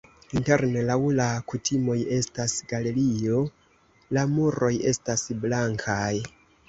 Interne laŭ la kutimoj estas galerio, la muroj estas blankaj.